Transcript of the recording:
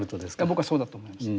僕はそうだと思います。